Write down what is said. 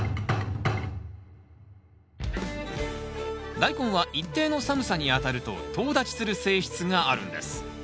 ダイコンは一定の寒さにあたるととう立ちする性質があるんです。